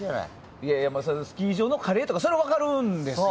いやいやスキー場のカレーとかそれは分かるんですよ。